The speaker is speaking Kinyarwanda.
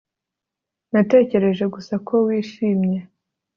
Natekereje gusa ko wishimye